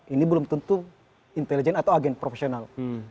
ini belum tentu intelijen atau agen profesional